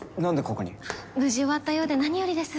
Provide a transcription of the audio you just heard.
無事終わったようで何よりです。